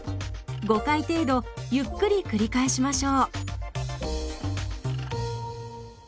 ５回程度ゆっくり繰り返しましょう。